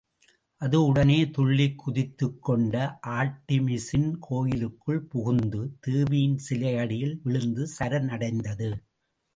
அது உடனே துள்ளிக் குதித்துக்கொண்ட ஆர்ட்டிமிஸின் கோயிலுக்குள் புகுந்து, தேவியின் சிலையடியில் விழுந்து சரணடைந்தது.